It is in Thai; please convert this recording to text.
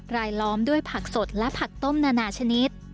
ล้อมด้วยผักสดและผักต้มนานาชนิด